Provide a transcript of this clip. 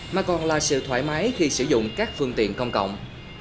mà còn là sự thoải mái khi sử dụng các phương tiện công cộng